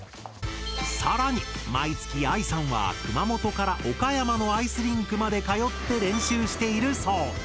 更に毎月あいさんは熊本から岡山のアイスリンクまで通って練習しているそう。